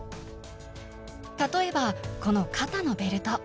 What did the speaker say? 例えばこの肩のベルト。